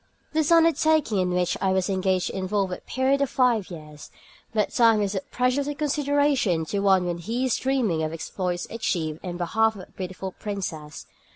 This undertaking in which I was engaged involved a period of five years, but time is of precious little consideration to one when he is dreaming of exploits achieved in behalf of a beautiful princess.